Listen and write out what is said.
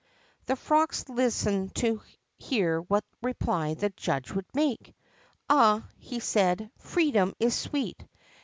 '' The frogs listened to hear what reply the judge would make. Ah," he said, freedom is sweet